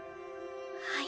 はい。